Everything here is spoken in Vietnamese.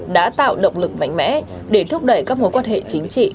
đã tạo động lực mạnh mẽ để thúc đẩy các mối quan hệ chính trị